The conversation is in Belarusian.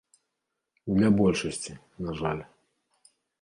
Для большасці, на жаль.